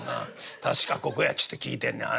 確かここやちゅうて聞いてんねや。